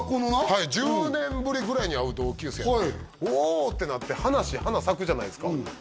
はい１０年ぶりぐらいに会う同級生やって「おっ！」ってなって話花咲くじゃないですか